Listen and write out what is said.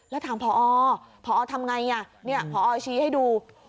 แล้วถามพอพอทำไงพอชี้ให้ดู